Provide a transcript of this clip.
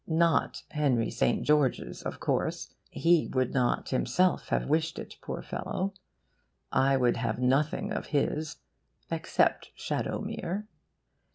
Not Henry St. George's, of course: he would not himself have wished it, poor fellow! I would have nothing of his except SHADOWMERE.